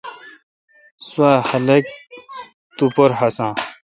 سوا خلق تو پر ہسان۔